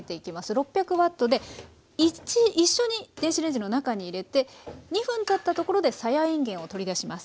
６００Ｗで一緒に電子レンジの中に入れて２分たったところでさやいんげんを取り出します。